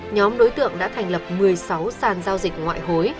nhóm đối tượng đã thành lập một mươi sáu sàn giao dịch ngoại hối